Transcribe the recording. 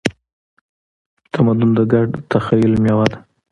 تمدن د ګډ تخیل میوه ده.